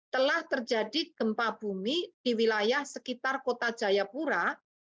telah terjadi gempa bumi di wilayah sekitar kota jayapura